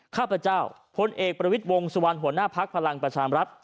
ข้าพเจ้าพลเอกประวิทย์วงสุวรรณหัวหน้าพักพลังประชามรัฐ